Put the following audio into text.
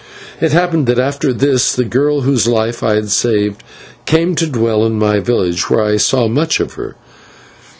It happened that after this the girl whose life I had saved came to dwell in my village, where I saw much of her.